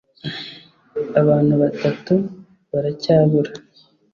abantu batatu baracyabura